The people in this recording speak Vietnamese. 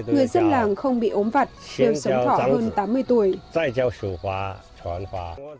người dân làng không bị ốm vặt đều sống thỏ hơn tám mươi tuổi